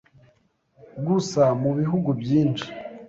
Gusa mu bihugu byinshi